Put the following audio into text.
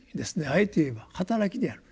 あえて言えば働きである。